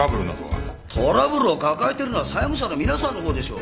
トラブルを抱えてるのは債務者の皆さんのほうでしょう。